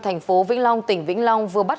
thành phố vĩnh long tỉnh vĩnh long vừa bắt